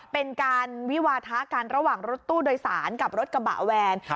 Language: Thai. เป็นการวิวาทะกันระหว่างรถตู้โดยสารกับรถกระบะแวน